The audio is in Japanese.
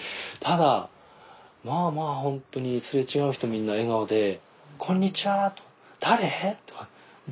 ただまあまあ本当にすれ違う人みんな笑顔で「こんにちは」とか「誰？」とか「どこから来たの？」